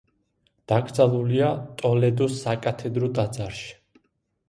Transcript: დაკრძალულია ტოლედოს საკათედრო ტაძარში.